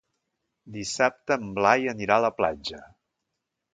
Dissabte en Blai anirà a la platja.